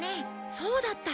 そうだった。